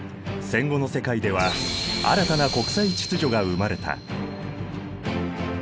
戦後の世界では新たな国際秩序が生まれた。